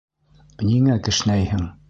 Ниңә кешнәйһең?